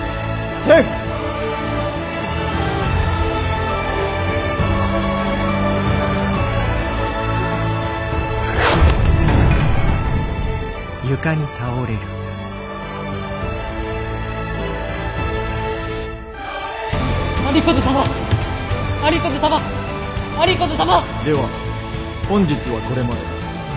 では本日はこれまで。